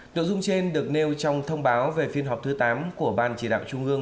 nội dung trên được nêu trong thông báo về phiên họp thứ tám của ban chỉ đạo trung ương